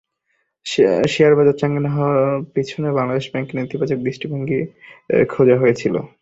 শেয়ারবাজার চাঙা না হওয়ার পেছনেও বাংলাদেশ ব্যাংকের নেতিবাচক দৃষ্টিভিঙ্গ খোঁজা হয়েছিল।